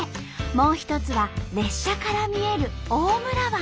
もう一つは列車から見える大村湾。